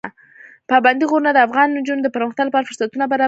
پابندی غرونه د افغان نجونو د پرمختګ لپاره فرصتونه برابروي.